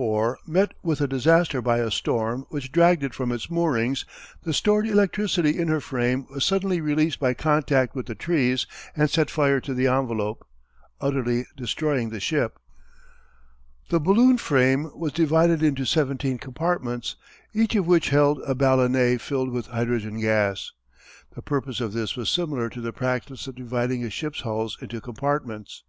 _ met with a disaster by a storm which dragged it from its moorings, the stored electricity in her frame was suddenly released by contact with the trees and set fire to the envelope, utterly destroying the ship. The balloon frame was divided into seventeen compartments, each of which held a ballonet filled with hydrogen gas. The purpose of this was similar to the practice of dividing a ship's hulls into compartments.